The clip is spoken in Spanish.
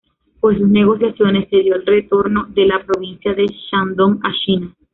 Por sus negociaciones se dio el retorno de la provincia de Shandong a China.